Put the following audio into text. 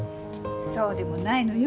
そうでもないのよ。